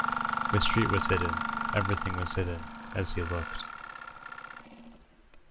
The street was hidden, everything was hidden, as he looked.